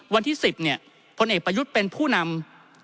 วันที่๑๐เนี่ยพลเอกประยุทธ์เป็นผู้นำ